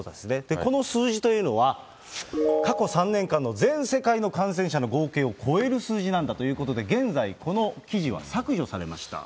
この数字というのは、過去３年間の全世界の感染者の合計を超える数字なんだということで、現在この記事は削除されました。